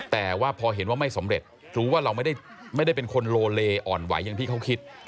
แต่ว่าพอเห็นว่าไม่สำเร็จรู้ว่าเราไม่ได้เป็นคนโลเลอ่อนไหวอย่างที่เขาคิด